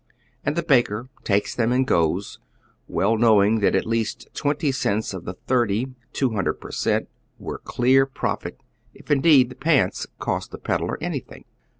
And the baker takes them and goes, well knowing that at least twenty cents of the thirty, two hundi ed per cent, were clear profit, if indeed the " pants " cost the pedlar anything.